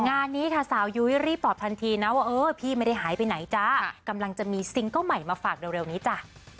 งานนี้ค่ะสาวยุ้ยรีบตอบทันทีนะว่าเออพี่ไม่ได้หายไปไหนจ้ากำลังจะมีซิงเกิ้ลใหม่มาฝากเร็วนี้จ้ะ